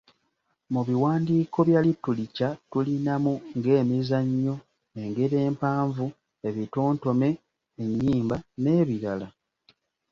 Mu biwandiiko bya litulica tulinamu ng'emizannyo, engero empanvu, ebitontome, ennyimba n'ebirala.